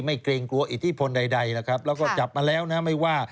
ไม่เกรงกลัวอิทธิพลใดแล้วก็จับมาแล้วไม่ว่า